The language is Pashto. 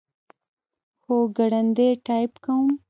هو، ګړندی ټایپ کوم